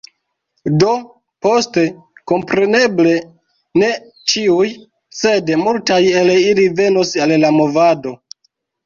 Do, poste, kompreneble, ne ĉiuj, sed multaj el ili venos al la movado.